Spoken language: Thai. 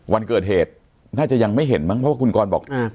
วันเกิดเหตุน่าจะยังไม่เห็นมั้งเพราะว่าคุณกรบอก